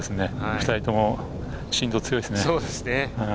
２人とも心臓が強いですね。